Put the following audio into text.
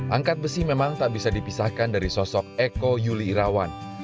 angkat besi memang tak bisa dipisahkan dari sosok eko yuli irawan